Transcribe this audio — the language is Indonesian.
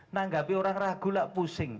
nanggapi orang ragu lah pusing